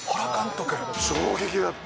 衝撃だった。